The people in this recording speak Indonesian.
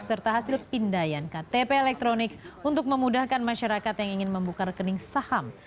serta hasil pindayan ktp elektronik untuk memudahkan masyarakat yang ingin membuka rekening saham